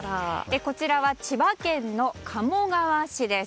こちらは千葉県の鴨川市です。